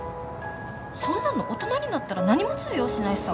そんなの大人になったら何も通用しないさ。